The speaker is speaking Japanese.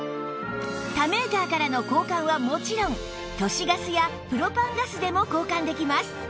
他メーカーからの交換はもちろん都市ガスやプロパンガスでも交換できます